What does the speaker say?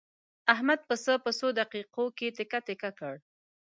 احمد بسته پسه په څو دقیقو کې تکه تکه کړ.